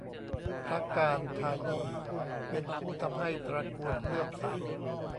พระกาฬทายี เป็นผู้ทำให้ตระกูลเลื่อมใส